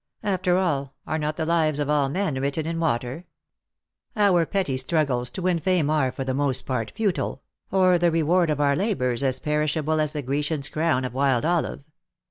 After all, are not the lives of all men written in water ? Our petty struggles to win fame are, for the most part, futile, or the reward of our labours as perishable as the Grecian's crown of wild olive.